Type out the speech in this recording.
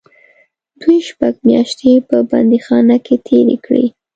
دوی شپږ میاشتې په بندیخانه کې تېرې کړې.